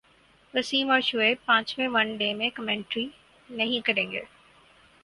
وسیم اور شعیب پانچویں one day میں کمنٹری نہیں کریں گے